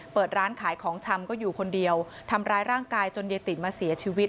เปิดร้านขายของชำก็อยู่คนเดียวทำร้ายร่างกายจนยายติ๋มมาเสียชีวิต